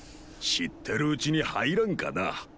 知ってるうちに入らんかな。